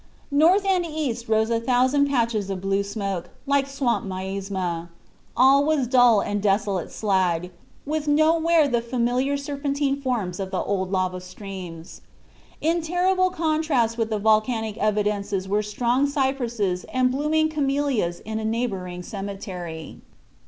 North and east rose a thousand patches of blue smoke like swamp miasma. All was dull and desolate slag, with nowhere the familiar serpentine forms of the old lava streams. In terrible contrast with the volcanic evidences were strong cypresses and blooming camelias in a neighboring cemetery.